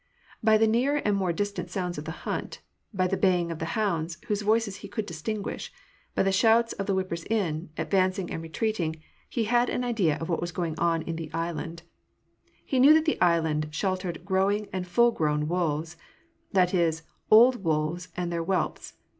By the nearer and more distant sounds of the hunt ; by the baying of the hounds, whose voices he could distinguish ; by the shouts of the whippers in, advan cing and retreating, — he had an idea of what was going on in the '^ island." He knew that the '^ island " sheltered growing and full grown wolves ; that is, old wolves and their whelps.